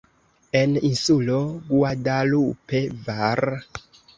En Insulo Guadalupe, var.